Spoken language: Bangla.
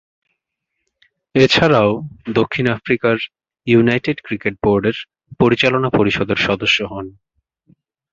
এছাড়াও দক্ষিণ আফ্রিকার ইউনাইটেড ক্রিকেট বোর্ডের পরিচালনা পরিষদের সদস্য হন।